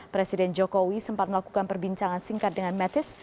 presiden jokowi sempat melakukan perbincangan singkat dengan mattis